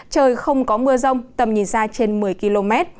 trời không có mưa rông tầm nhìn xa trên một mươi km